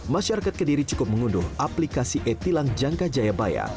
masyarakat kediri cukup mengunduh aplikasi e tilang jangka jayabaya